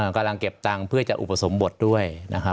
กำลังเก็บตังค์เพื่อจะอุปสมบทด้วยนะครับ